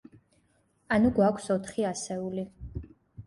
ანუ გვაქვს ოთხი ასეული.